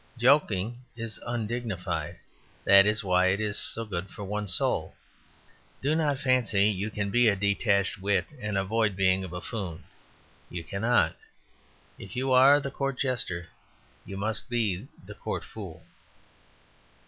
Joking is undignified; that is why it is so good for one's soul. Do not fancy you can be a detached wit and avoid being a buffoon; you cannot. If you are the Court Jester you must be the Court Fool.